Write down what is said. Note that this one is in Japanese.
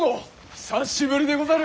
久しぶりでござる。